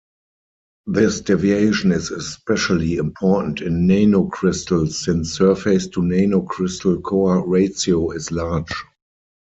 This deviation is especially important in nanocrystals since surface-to-nanocrystal core ratio is large.